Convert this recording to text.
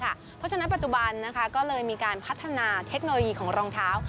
เพราะฉะนั้นปัจจุบันก็เลยมีการพัฒนาเทคโนโลยีของรองเท้า